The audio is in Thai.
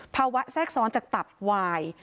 แทรกซ้อนจากตับวาย